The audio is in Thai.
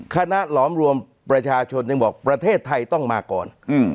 หลอมรวมประชาชนยังบอกประเทศไทยต้องมาก่อน